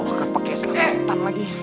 oh gak pakai seletan lagi